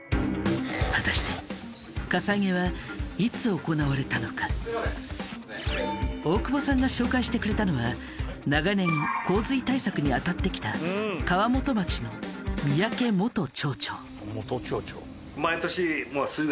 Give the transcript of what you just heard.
果たして大久保さんが紹介してくれたのは長年洪水対策に当たってきた川本町の三宅元町長。